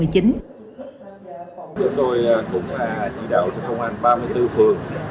chúng tôi cũng chỉ đạo cho công an ba mươi bốn phường